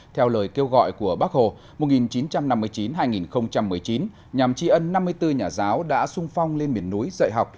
theo lời kêu gọi của bác hồ một nghìn chín trăm năm mươi chín hai nghìn một mươi chín nhằm tri ân năm mươi bốn nhà giáo đã sung phong lên miền núi dạy học